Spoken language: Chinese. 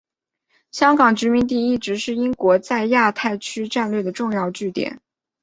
香港殖民地一直是英国在亚太区战略的重要据点。